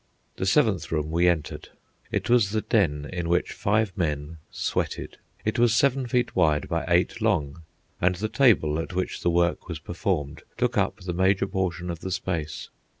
The seventh room we entered. It was the den in which five men "sweated." It was seven feet wide by eight long, and the table at which the work was performed took up the major portion of the space.